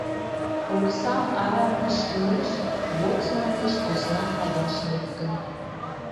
Оксам арам кышкымеш — лоцман деч посна каяш лектым.